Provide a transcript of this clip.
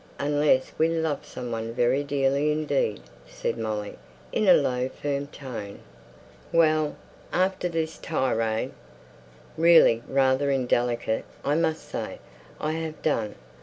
"Unless we love some one very dearly indeed," said Molly, in a low, firm tone. "Well, after this tirade really rather indelicate, I must say I have done.